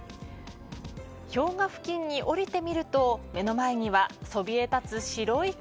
氷河付近に降りてみると目の前にはそびえ立つ白い壁。